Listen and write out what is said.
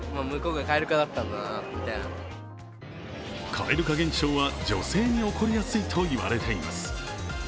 蛙化現象は女性に起こりやすいといわれています。